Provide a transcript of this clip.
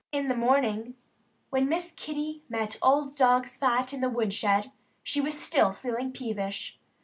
In the morning, when Miss Kitty met old dog Spot in the woodshed, she was still feeling peevish.